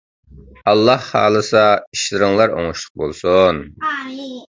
ئاللاھ خالىسا ئىشلىرىڭلار ئوڭۇشلۇق بولسۇن!